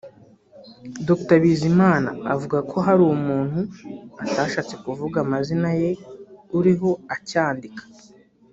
Dr Bizimana avuga ko hari umuntu (atashatse kuvuga amazina ye) uriho ucyandika